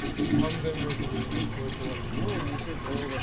３０００ｍ超えてるわけですよね。